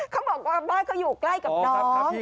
เขาบอกว่าบ้านเขาอยู่ใกล้กับน้อง